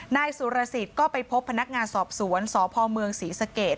นายสุรสิทธิ์ก็ไปพบพนักงานสอบสวนสพเมืองศรีสเกต